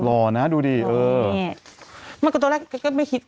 แฟนหล่อนะดูดิมากกว่าตอนแรกก็ไม่คิด